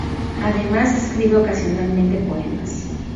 Además escribe ocasionalmente poemas.